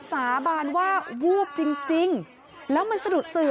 สาบานว่าวูบจริงแล้วมันสะดุดสื่อ